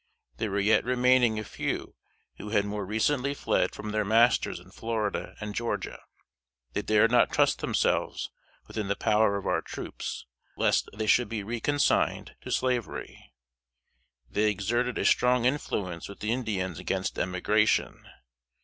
There were yet remaining a few who had more recently fled from their masters in Florida and Georgia. They dared not trust themselves within the power of our troops, lest they should be reconsigned to slavery. They exerted a strong influence with the Indians against emigration.